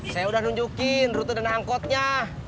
saya udah nunjukin rute dan angkotnya